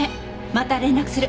また連絡する。